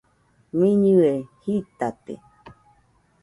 Miñɨe jitate.